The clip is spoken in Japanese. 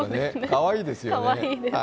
かわいいですよね。